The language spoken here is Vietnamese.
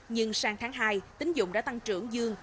nhưng sang tháng hai tính dụng đã tăng trưởng dương